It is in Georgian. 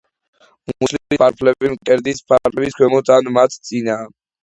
მუცლის ფარფლები მკერდის ფარფლების ქვემოთ ან მათ წინაა.